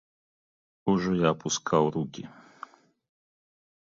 Ужо я апускаў рукі.